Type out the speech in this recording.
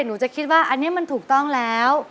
หนูจะคิดว่าอันนี้มันถูกต้องแล้ว